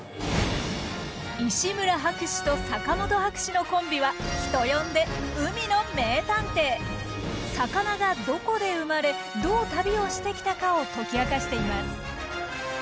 石村博士と坂本博士のコンビは人呼んで魚がどこで生まれどう旅をしてきたかを解き明かしています。